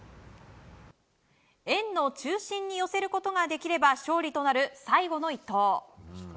円の中心に寄せることができれば勝利となる最後の一投。